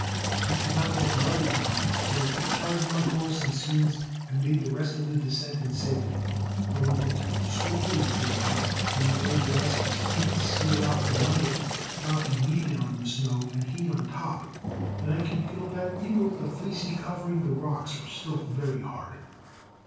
We could not get the other down, so I took charge of my horse and skins and made the rest of the descent in safety, though it looked squally for a bit when the old rascal's feet slid out from under him, knocking me down in the snow, and he on top, and I could feel that even with the fleecy covering the rocks were still very hard.